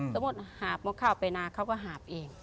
สมมุติหาบหมกข้าวไปนาเขาก็หาบเอง